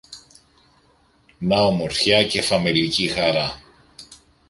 Να ομορφιά και φαμελική χαρά